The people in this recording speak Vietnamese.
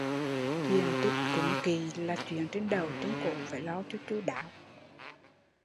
Chuyện cúng kỵ là chuyện trên đầu trển cổ phải lo cho chu đáo